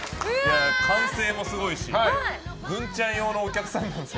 歓声もすごいしグンちゃん用のお客さんですか。